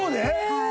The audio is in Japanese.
はい。